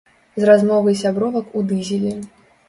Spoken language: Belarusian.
З размовы сябровак у дызелі.